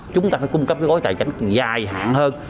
chúng ta phải cung cấp cái gói tài chánh dài hạn hơn